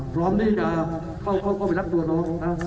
พร้อมได้เข้าไปรับตัวน้องนะ